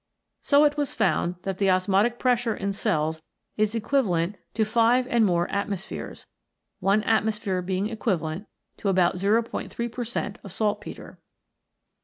So it was found that the osmotic pressure in cells is equiva lent to five and more atmospheres, one atmosphere being equivalent to about 0 3 per cent of salt petre.